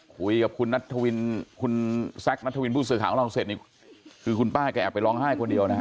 คุยกับคุณนัทวินคุณแซคนัทวินผู้สื่อข่าวของเราเสร็จนี่คือคุณป้าแกแอบไปร้องไห้คนเดียวนะฮะ